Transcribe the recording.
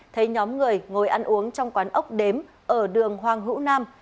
thấy nhóm người ngồi ăn uống trong quán ốc đếm ở đường hoàng hữu nam